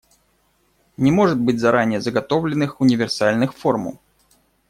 Не может быть заранее заготовленных универсальных формул.